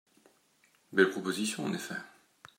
Belle proposition en effet !